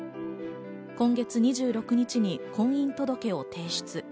今月２６日に婚姻届を提出。